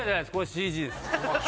ＣＧです。